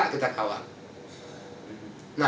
mereka minta pengawalan